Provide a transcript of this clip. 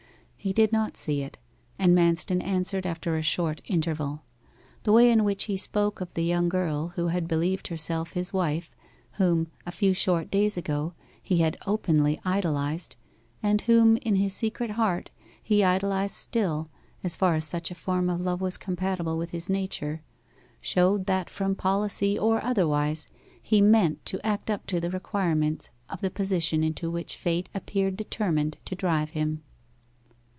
He did not see it, and Manston answered after a short interval. The way in which he spoke of the young girl who had believed herself his wife, whom, a few short days ago, he had openly idolized, and whom, in his secret heart, he idolized still, as far as such a form of love was compatible with his nature, showed that from policy or otherwise, he meant to act up to the requirements of the position into which fate appeared determined to drive him.